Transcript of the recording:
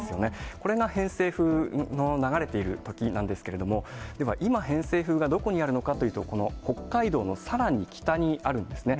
これが偏西風の流れているときなんですけれども、では今、偏西風がどこにあるのかというと、この北海道のさらに北にあるんですね。